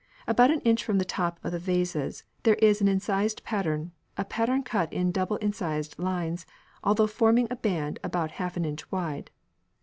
About an inch from the top of the vases there is an incised pattern, a pattern cut in double incised lines, altogether forming a band about half an inch wide.